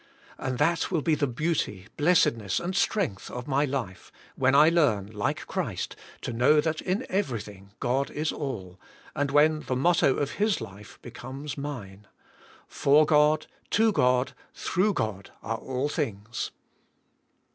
And that will be the beauty, blessedness and strength of my life, when I learn, like Christ, to know that in every thing God is all, and when the motto of His life be comes mine: "For God, to God, through God, are all things."